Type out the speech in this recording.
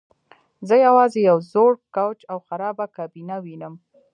زه یوازې یو زوړ کوچ او خرابه کابینه وینم